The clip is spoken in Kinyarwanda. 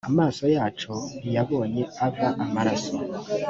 amaso yacu ntiyabonye ava amaraso